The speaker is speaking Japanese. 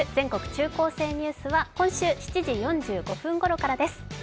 中高生ニュース」は今週７時４５分ごろからです。